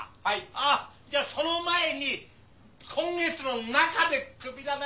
あっじゃあその前に今月の中でクビだな。